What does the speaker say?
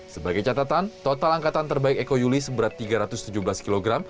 sebagai catatan total angkatan terbaik eko yuli seberat tiga ratus tujuh belas kilogram